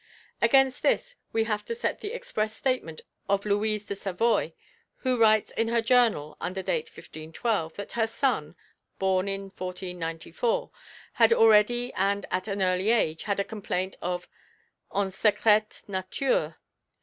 Against this we have to set the express statement of Louise of Savoy, who writes in her journal, under date 1512, that her son (born in 1494) had already and at an early age had a complaint en secrete nature.